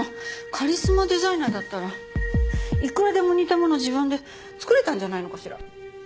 カリスマデザイナーだったらいくらでも似たものを自分で作れたんじゃないのかしら？